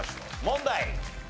問題。